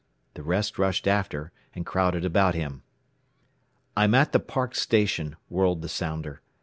The rest rushed after, and crowded about him. "I'm at the Park station," whirled the sounder.